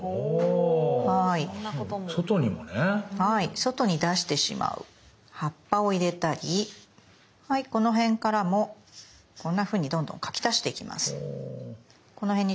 外に出してしまう葉っぱを入れたりこの辺からもこんなふうにどんどん描き足していきます。